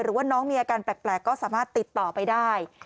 หรือว่าน้องมีอาการแปลกก็สามารถติดต่อไปได้